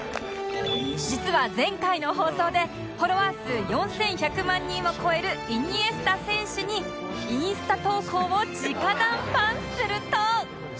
実は前回の放送でフォロワー数４１００万人を超えるイニエスタ選手にインスタ投稿を直談判すると